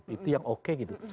itu yang oke gitu